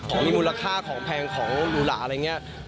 ของมีมูลค่าของแพงของหลูหรา